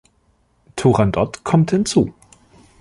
Turandot kommt hinzu.